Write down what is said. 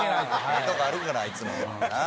ええとこあるからあいつもなあ？